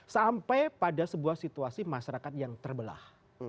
sampai pada sebuah situasi masyarakat yang terbelah